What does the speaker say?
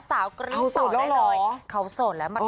สาวกรี๊มต่อได้เลยเขาโสดแล้วมาก